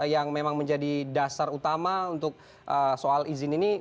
yang memang menjadi dasar utama untuk soal izin ini